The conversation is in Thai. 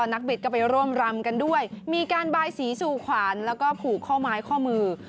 นักบิดก็ไปร่วมรำกันด้วยมีการไปสี่สู่ขวานพูกข้อมายข้อมือ